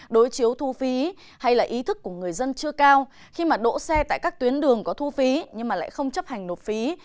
đối chiếu thu phí hay là ý thức của người dân chưa cao khi mà đỗ xe tại các tuyến đường có thu phí nhưng lại không chấp hành nộp phí